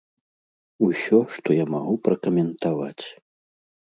Усё, што я магу пракаментаваць.